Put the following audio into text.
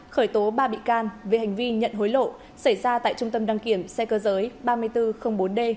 khởi tố ba bị can về hành vi nhận hối lộ xảy ra tại trung tâm đăng kiểm xe cơ giới ba nghìn bốn trăm linh bốn d